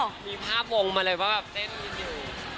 มีภาพวงมาเลยว่าเต้นด้วย